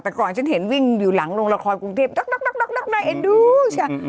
แต่ก่อนฉันเห็นวิ่งอยู่หลังลงละครกรุงเทพฯดอกดอกดอกดอกแอดดู้ใช่มั้ย